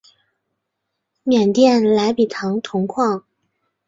缅甸莱比塘铜矿。